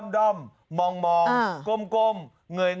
ด้อมมองก้มเงย